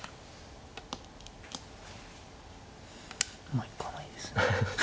まあ行かないですね。